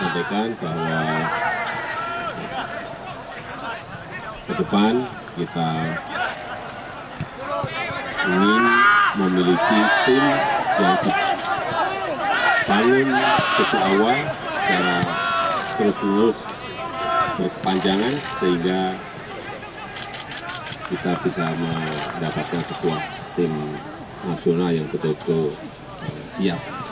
tangan kecewa karena terus terus berkepanjangan sehingga kita bisa mendapatkan sebuah tim nasional yang betul betul siap